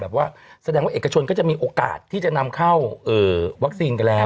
ว่าแสดงว่าเอกชนก็จะมีโอกาสที่จะนำเข้าวัคซีนกันแล้ว